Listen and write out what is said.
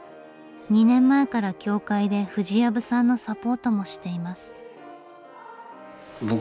２年前から教会で藤藪さんのサポートもしています。